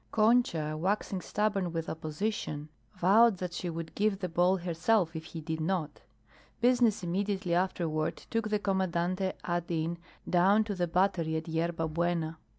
Concha, waxing stubborn with opposition, vowed that she would give the ball herself if he did not. Business immediately afterward took the Commandante ad. in. down to the Battery at Yerba Buena.